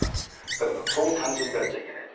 だけど、そう単純であっちゃいけないと。